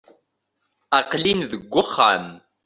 Aqel-in deg uxxam-iw.